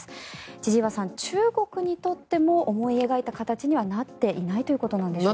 千々岩さん、中国にとっても思い描いた形にはなっていないということなんでしょうか。